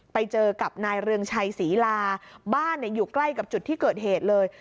ไปเจอกับนายเรืองชัยศรีลาบ้านอยู่ใกล้กับจุดที่เกิดเหตุเลย